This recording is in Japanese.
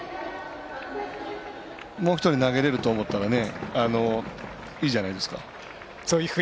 もう１人投げれると思ったらいいじゃないですか。